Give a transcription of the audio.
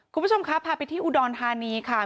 คุณผู้ชมครับพาไปที่อุดรธานีค่ะ